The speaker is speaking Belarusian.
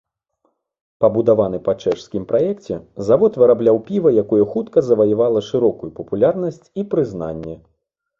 Пабудаваны па чэшскім праекце, завод вырабляў піва, якое хутка заваявала шырокую папулярнасць і прызнанне.